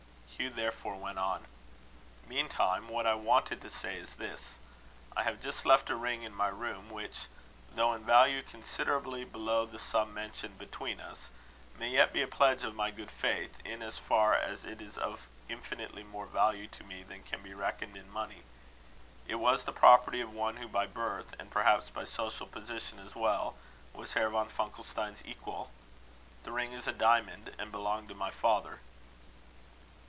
Hugh therefore went on: "Meantime, what I wanted to say is this: I have just left a ring in my room, which, though in value considerably below the sum mentioned between us, may yet be a pledge of my good faith, in as far as it is of infinitely more value to me than can be reckoned in money. It was the property of one who by birth, and perhaps by social position as well, was Herr von Funkelstein's equal. The ring is a diamond, and belonged to my father."